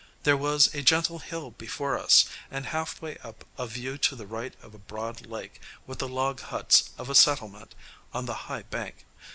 There was a gentle hill before us, and halfway up a view to the right of a broad lake, with the log huts of a "settle_ment_" on the high bank.